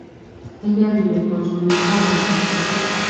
Ella vive con su hijo en Los Ángeles.